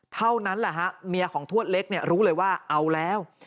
เท่านั้นแหละฮะเมียของทวดเล็กเนี่ยรู้เลยว่าเอาแล้ว